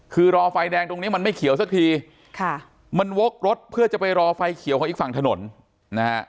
คือรอไฟแดงตรงนี้มันไม่เขียวสักทีค่ะมันวกรถเพื่อจะไปรอไฟเขียวของอีกฝั่งถนนนะฮะ